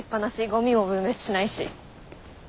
ゴミも分別しないし。